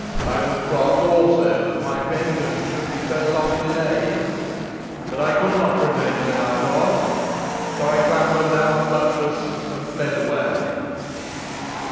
I was wroth also that my vengeance should be so long delayed. But I could not remain where I was, so I clambered down the buttress, and fled away."